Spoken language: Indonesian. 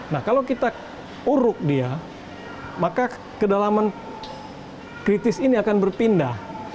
nah kalau kita uruk dia maka kedalaman kritis ini akan berpindah